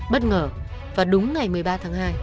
bất ngờ và đúng ngày một mươi ba tháng hai